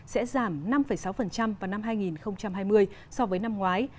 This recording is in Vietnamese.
sẽ giảm năm sáu vào năm hai nghìn hai mươi so với năm ngoái